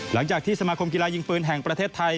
หลังจากที่สมาคมกีฬายิงปืนแห่งประเทศไทย